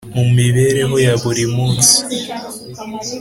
mu mibereho ya buri munsi